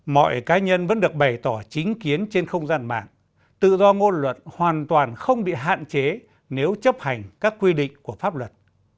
mọi cá nhân vẫn được bày tỏ chính kiến trên không gian mạng tự do ngôn luận hoàn toàn không bị hạn chế nếu chấp hành các quy định của pháp luật